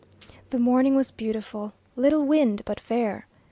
The morning was beautiful; little wind, but fair.